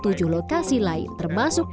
transactional organisasi kerjasama scarf fark